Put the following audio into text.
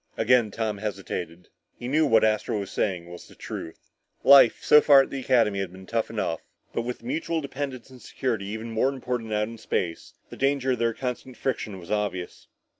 Again Tom hesitated. He knew what Astro was saying was the truth. Life, so far, at the Academy had been tough enough, but with mutual dependence and security even more important out in space, the danger of their constant friction was obvious.